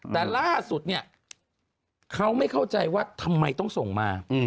แต่ล่าสุดเนี่ยเขาไม่เข้าใจว่าทำไมต้องส่งมา